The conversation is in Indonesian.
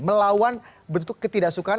melawan bentuk ketidaksukaan